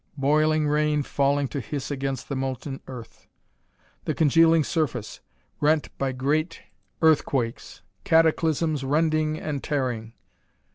Boiling rain falling to hiss against the molten Earth! The congealing surface rent by great earthquakes; cataclysms rending and tearing....